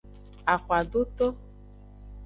Axwadoto.